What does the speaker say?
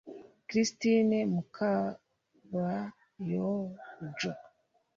Christine Mukabayojo